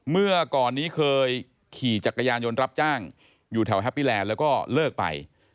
เมื่อก่อนนี้เคยขี่จักรยานยนต์รับจ้างอยู่แถวแฮปปี้แลนด์แล้วก็เลิกไป